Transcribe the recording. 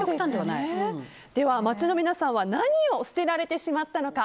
では街の皆さんは何を捨てられてしまったのか。